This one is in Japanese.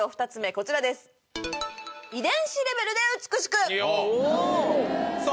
こちらですさあ